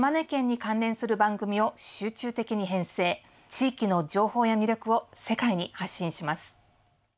地域の情報や魅力を世界に発信します。